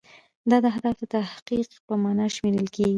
دا د اهدافو د تحقق په معنا شمیرل کیږي.